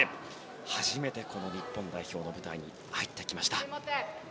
初めて日本代表の舞台に入ってきました。